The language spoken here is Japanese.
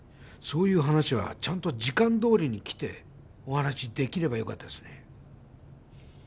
そういう話はちゃんと時間どおりに来てお話しできればよかったですね